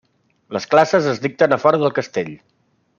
Les classes es dicten a fora del castell.